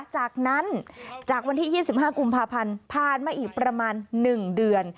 จากนั้นจากวันที่๒๕กุมภาพันธ์ผ่านมาอีกประมาณ๑เดือน